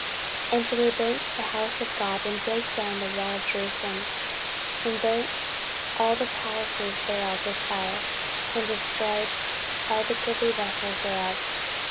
14:036:019 And they burnt the house of God, and brake down the wall of Jerusalem, and burnt all the palaces thereof with fire, and destroyed all the goodly vessels thereof.